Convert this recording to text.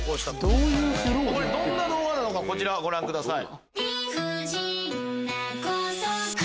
どんな動画なのかこちらご覧ください。